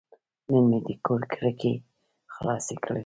نن مې د کور کړکۍ خلاصې کړې.